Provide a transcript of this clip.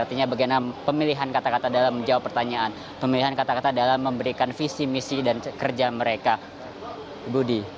artinya bagaimana pemilihan kata kata dalam menjawab pertanyaan pemilihan kata kata dalam memberikan visi misi dan kerja mereka budi